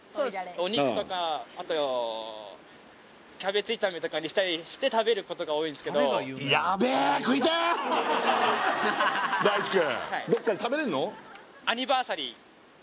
お肉とかあとキャベツ炒めとかにしたりして食べることが多いんですけどアニバーサリー？